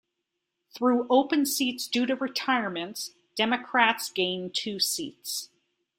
Through open seats due to retirements, Democrats gained two seats.